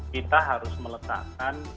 kita harus meletakkan